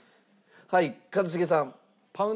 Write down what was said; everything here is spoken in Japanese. はい一茂さん。